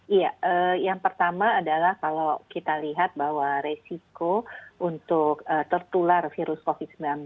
iya yang pertama adalah kalau kita lihat bahwa resiko untuk tertular virus covid sembilan belas